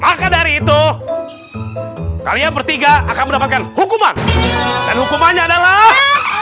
maka dari itu kalian bertiga akan mendapatkan hukuman dan hukumannya adalah